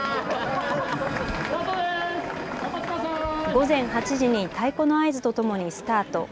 午前８時に太鼓の合図とともにスタート。